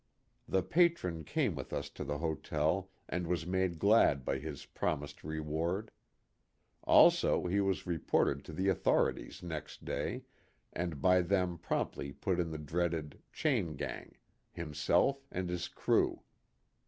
The Patron came with us to the hotel and was made glad by his promised reward. Also he was reported to the authorities next day, and by them promptly put in the dreaded " chain gang," himself and his crew.